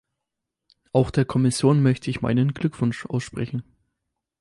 Auch der Kommission möchte ich meinen Glückwunsch aussprechen.